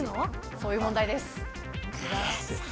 そういう問題です。